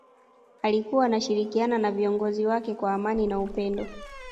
alikuwa anashirikiana na viongozi wake kwa amani na upendo